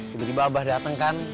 tiba tiba abah datang kan